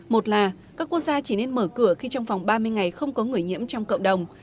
một là các quốc gia chỉ nên mở cửa khi trong vòng ba mươi ngày không có người nhiễm trong cộng đồng